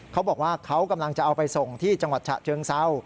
เขาบอกว่าเขากำลังจะเอาไปส่งที่จังหวัดฉะเชิงเศร้า